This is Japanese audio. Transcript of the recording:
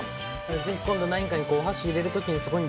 是非今度何かにお箸入れる時にそこに６人の顔を。